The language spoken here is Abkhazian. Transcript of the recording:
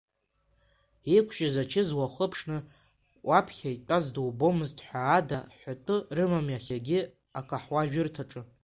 Иқәжьыз ачыс уахыԥшны уаԥхьа итәаз дубомызт ҳәа ада ҳәатәы рымам иахьагьы акаҳуажәырҭаҿы.